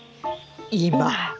今。